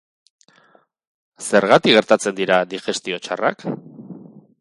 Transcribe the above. Zergatik gertatzen dira digestio txarrak?